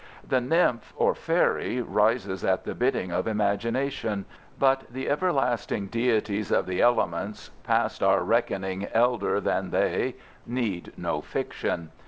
The nymph or fairy rises at the bidding of imagination, but the everlasting deities of the elements, past our reckoning elder than they, need no fiction.